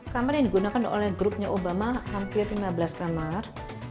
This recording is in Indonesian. kamar yang digunakan oleh grupnya obama hampir lima belas kamar